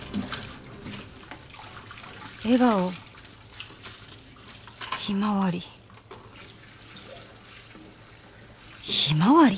笑顔ひまわりひまわり！？